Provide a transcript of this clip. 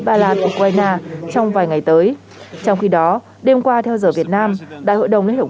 ba lan ukraine trong vài ngày tới trong khi đó đêm qua theo giờ việt nam đại hội đồng liên hợp